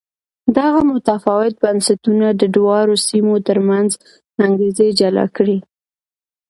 دغه متفاوت بنسټونه د دواړو سیمو ترمنځ انګېزې جلا کړې.